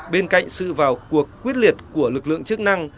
bên cạnh sự vào cuộc quyết liệt của lực lượng chức năng